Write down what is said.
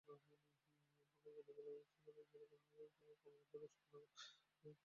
ফকির গরীবুল্লাহ-এর ইউসুফ-জোলেখা নামে একটি কাব্যগ্রন্থ আছে।